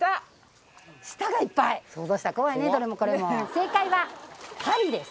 正解は針です。